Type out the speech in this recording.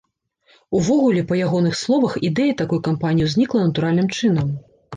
Увогуле, па ягоных словах, ідэя такой кампаніі ўзнікла натуральным чынам.